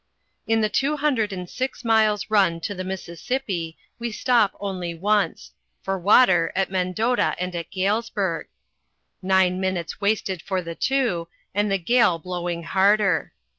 In the two hundred and six miles' run to the Mississippi we stop only twice for water, at Mendota and at Galesburg nine minutes wasted for the two, and the gale blowing harder.